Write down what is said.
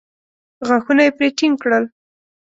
غاښونه يې پرې ټينګ کړل.